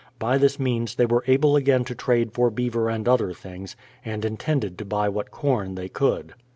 By this means they were able again to trade for beaver and other things, and intended to buy what corn they could.